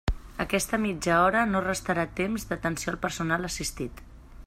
Aquesta mitja hora no restarà temps d'atenció al personal assistit.